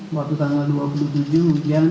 waktu tanggal dua puluh tujuh hujan